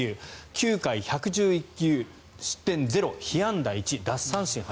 ９回１１１球失点０被安打１奪三振８